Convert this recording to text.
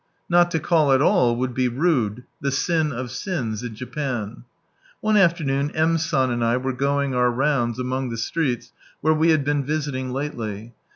Not to call at all would be rude, tbe sin of sins in Japan. One afternoon M. San and I were going our rounds among the streets where we had been visiting lately.